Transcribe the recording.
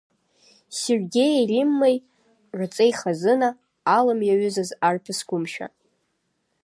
Сергеии Риммеи рҵеи хазына, алым иаҩызаз арԥыс гәымшәа…